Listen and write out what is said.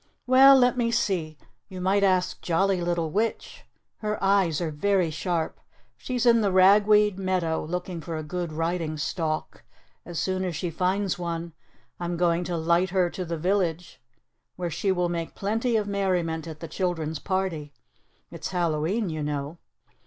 "Well, let me see. You might ask Jolly Little Witch. Her eyes are very sharp. She's in the ragweed meadow, looking for a good riding stalk. As soon as she finds one I'm going to light her to the village where she will make plenty of merriment at the children's party. It's Hallowe'en, you know.